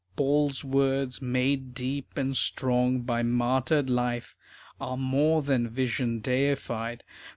Paul's words, made deep and strong by martyred life, Are more than vision deified.